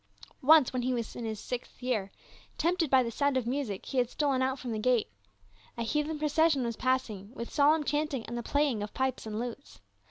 THE CALLING OF TIMOTHY. 303 Once, when he was in his sixth year, tempted by the sound of music, he had stolen out from the gate. A heathen procession was passing with solemn chanting and the playing of pipes and lutes.